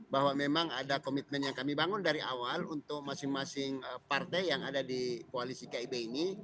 bahwa memang ada komitmen yang kami bangun dari awal untuk masing masing partai yang ada di koalisi kib ini